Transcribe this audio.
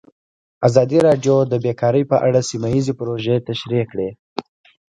ازادي راډیو د بیکاري په اړه سیمه ییزې پروژې تشریح کړې.